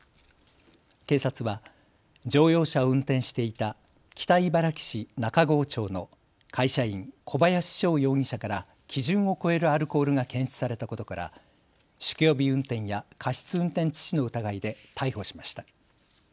警察は乗用車を運転していた北茨城市中郷町の会社員、小林翔容疑者から基準を超えるアルコールが検出されたことから酒気帯び運転や過失運転致死の疑いで逮捕しました。